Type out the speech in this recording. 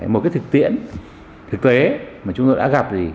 một cái thực tiễn thực tế mà chúng tôi đã gặp gì